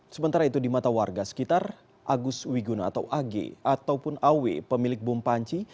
sementara itu di mata warga sekitar agus wiguna atau age ataupun aw pemilik bumpanci